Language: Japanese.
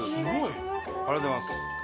ありがとうございます。